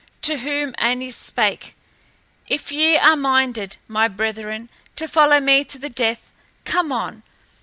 To whom Æneas spake: "If ye are minded, my brethren, to follow me to the death, come on.